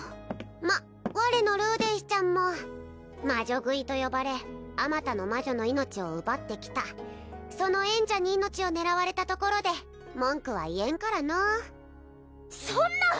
まっ我のルーデンスちゃんも魔女喰いと呼ばれあまたの魔女の命を奪ってきたその縁者に命を狙われたところで文句は言えんからのうそんな！